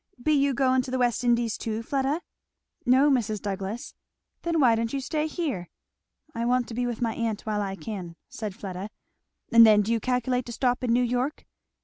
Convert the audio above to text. "Be you going to the West Indies too, Fleda?" "No, Mrs. Douglass." "Then why don't you stay here?" "I want to be with my aunt while I can," said Fleda. "And then do you calculate to stop in New York?"